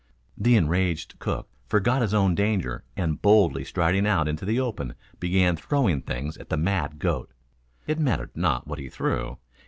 The enraged cook forgot his own danger and boldly striding out into the open began throwing things at the mad goat. It mattered not what he threw.